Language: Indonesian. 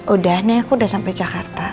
udah nih aku udah sampai jakarta